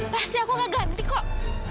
pasti aku gak ganti kok